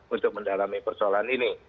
untuk mendalami persoalan ini